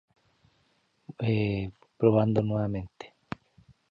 The crater has essentially no rim because the mare lava nearly flooded it.